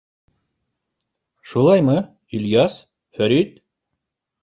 Шулаймы, Ильяс, Фәрит?!